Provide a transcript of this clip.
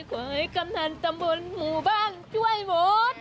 ขอให้กำทันสมบลหมู่บ้านช่วยหมด